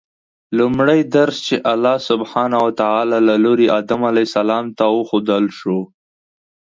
لومړی درس چې الله سبحانه وتعالی له لوري آدم علیه السلام ته وښودل شو